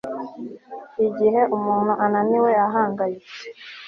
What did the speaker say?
Igihe umuntu ananiwe ahangayitse